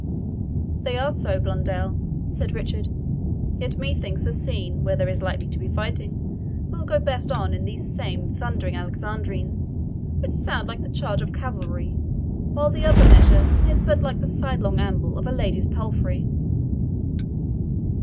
"They are so, Blondel," said Richard, "yet methinks the scene where there is like to be fighting will go best on in these same thundering Alexandrines, which sound like the charge of cavalry, while the other measure is but like the sidelong amble of a lady's palfrey."